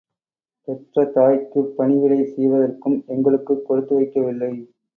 பெற்ற தாய்க்குப் பணிவிடை செய்வதற்கும் எங்களுக்குக் கொடுத்து வைக்கவில்லை.